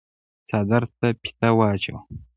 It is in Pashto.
څادر ته فيته واچوه۔